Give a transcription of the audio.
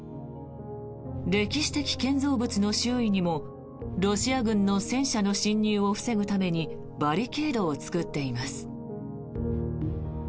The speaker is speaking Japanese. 歴史的建造物の周囲にもロシア軍の戦車の侵入を防ぐためにバリケードを作っています。